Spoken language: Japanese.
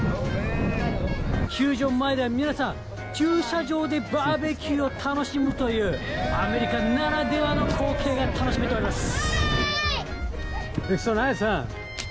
球場前では皆さん、駐車場でバーベキューを楽しむという、アメリカならではの光景が楽しめております。